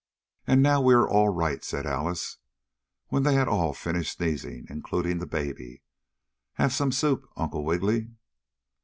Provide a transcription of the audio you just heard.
"And now we are all right," said Alice, when they had all finished sneezing, including the baby. "Have some soup, Uncle Wiggily."